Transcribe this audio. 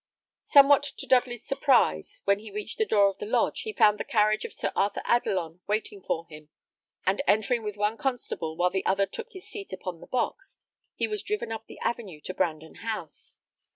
Somewhat to Dudley's surprise, when he reached the door of the lodge, he found the carriage of Sir Arthur Adelon waiting for him; and entering with one constable, while the other took his seat upon the box, he was driven up the avenue to Brandon House.